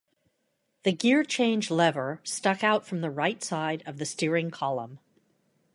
The gear change lever stuck out from the right side of the steering column.